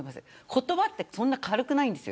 言葉ってそんなに軽くないんです。